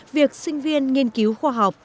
việc sinh viên nghiên cứu khoa học